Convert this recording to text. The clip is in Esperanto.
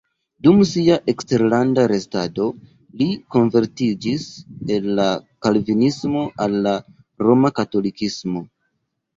Dum sia eksterlanda restado li konvertiĝis el la kalvinismo al la roma katolikismo.